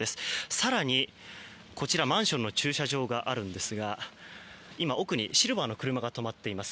更にこちら、マンションの駐車場があるんですが奥にシルバーの車が止まっています。